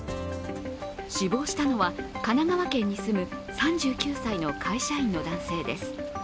死亡したのは神奈川県に住む３９歳の会社員の男性です。